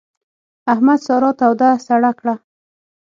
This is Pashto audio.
احمد سارا توده سړه کړه.